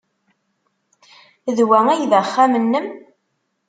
D wa ay d axxam-nnem?